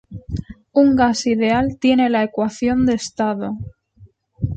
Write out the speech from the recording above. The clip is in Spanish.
Un gas ideal tiene la ecuación de estado.